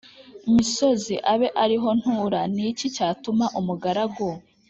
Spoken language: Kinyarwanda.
misozi abe ari ho ntura Ni iki cyatuma umugaragu